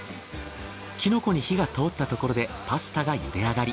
キノコに火が通ったところでパスタがゆで上がり。